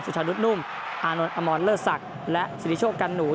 สุชาติรุ่นนุ่มอาโนนอมอนเลิศักดิ์และสิทธิโชคกันหนู